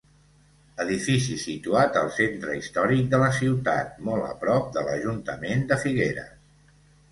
Edifici situat al centre històric de la ciutat molt a prop de l'Ajuntament de Figueres.